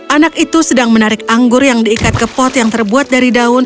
anak itu sedang menarik anggur yang diikat ke pot yang terbuat dari daun